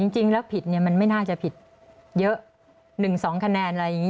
จริงแล้วผิดมันไม่น่าจะผิดเยอะ๑๒คะแนนอะไรอย่างนี้